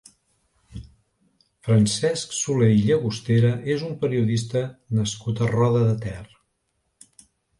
Francesc Soler i Llagostera és un periodista nascut a Roda de Ter.